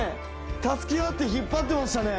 助け合って引っ張ってましたね